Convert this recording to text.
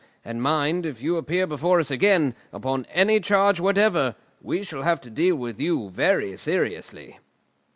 And mind, if you appear before us again, upon any charge whatever, we shall have to deal with you very seriously!"